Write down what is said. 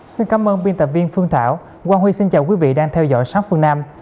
xin cảm ơn biên tập viên phương thảo quang huy xin chào quý vị đang theo dõi sát phương nam